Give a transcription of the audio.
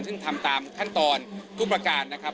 ซึ่งทำตามขั้นตอนทุกประการนะครับ